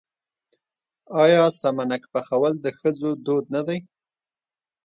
آیا سمنک پخول د ښځو دود نه دی؟